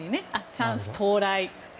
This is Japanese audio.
チャンス到来。